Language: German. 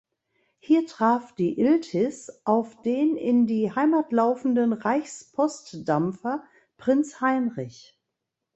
Hier traf die "Iltis" auf den in die Heimat laufenden Reichspostdampfer "Prinz Heinrich".